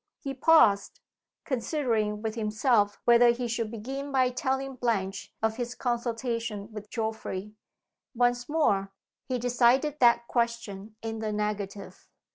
He paused, considering with himself whether he should begin by telling Blanche of his consultation with Geoffrey. Once more, he decided that question in the negative.